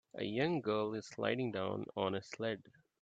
A young girl is sliding down on a sled.